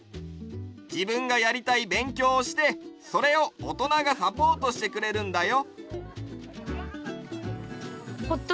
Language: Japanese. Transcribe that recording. じぶんがやりたいべんきょうをしてそれをおとながサポートしてくれるんだよ。